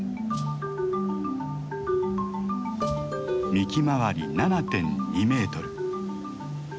幹周り７．２メートル。